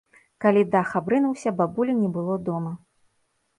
Калі дах абрынуўся, бабулі не было дома.